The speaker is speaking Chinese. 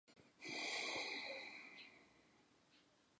南海殿遗址的历史年代为卡约文化。